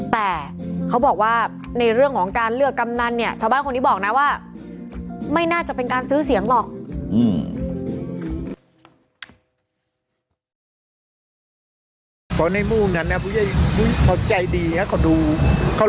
แต่เขาบอกว่าในเรื่องของการเลือกกำนันเนี่ยชาวบ้านคนนี้บอกนะว่าไม่น่าจะเป็นการซื้อเสียงหรอก